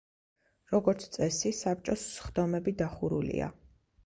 როგორც წესი, საბჭოს სხდომები დახურულია.